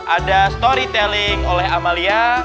ada story telling oleh amalia